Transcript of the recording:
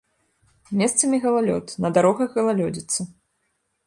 Месцамі галалёд, на дарогах галалёдзіца.